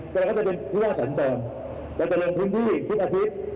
แต่เขาจะเป็นที่ว่าสันตอนแล้วจะลงทิ้งที่ทุกอาทิตย์